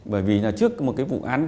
bởi vì trước một vụ án